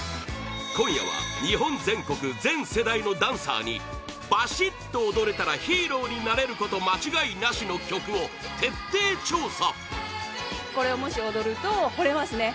今夜は日本全国全世代のダンサーにバシッと踊れたらヒーローになれること間違いなしの曲を徹底調査